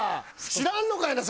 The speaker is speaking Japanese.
知らんのかいな。